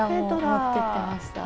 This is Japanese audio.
持ってってました。